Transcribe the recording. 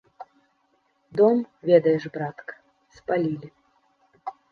Дом, ведаеш, братка, спалілі.